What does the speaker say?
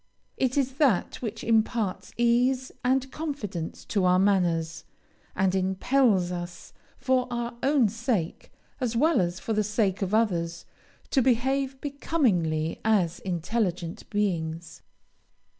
It is that which imparts ease and confidence to our manners, and impels us, for our own sake, as well as for the sake of others, to behave becomingly as intelligent beings.